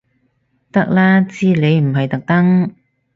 得啦知你唔係特登